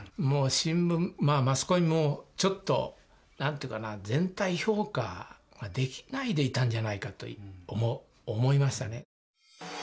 もう新聞マスコミもちょっとなんていうかな全体評価ができないでいたんじゃないかと思いましたね。